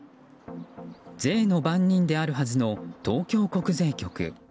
税の番人であるはずの東京国税局。